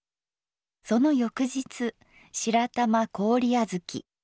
その翌日「白玉氷あづき」。